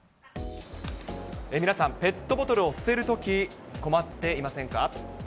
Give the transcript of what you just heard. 皆さん、ペットボトルを捨てるとき、困っていませんか？